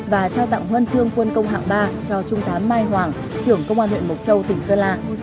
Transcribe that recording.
và trao tặng huân chương quân công hạng ba cho trung tá mai hoàng trưởng công an huyện mộc châu tỉnh sơn la